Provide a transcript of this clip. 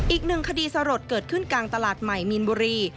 อีกหนึ่งคดีสลดเกิดขึ้นกลางตลาดใหม่มีนบุรี